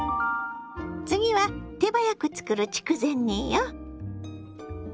次は手早く作る筑前煮よ。